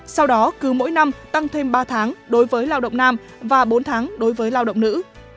sau đó cứ mỗi năm tăng thêm ba tháng đối với lao động nam và bốn tháng đối với lao động nữ